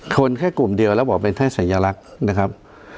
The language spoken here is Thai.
แค่กลุ่มเดียวแล้วบอกเป็นแค่สัญลักษณ์นะครับ